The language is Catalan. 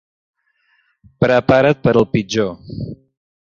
Prepara't per al pitjor!